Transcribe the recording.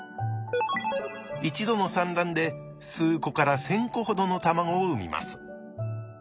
一度の産卵で数個から千個ほどの卵を産みます。